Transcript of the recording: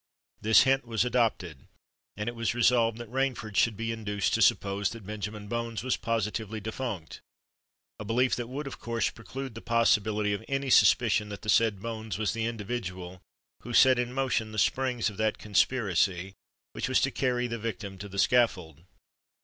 This hint was adopted; and it was resolved that Rainford should be induced to suppose that Benjamin Bones was positively defunct—a belief that would of course preclude the possibility of any suspicion that the said Bones was the individual who set in motion the springs of that conspiracy which was to carry the victim to the scaffold.